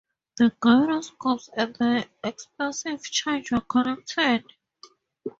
The gyroscopes and the explosive charge were connected.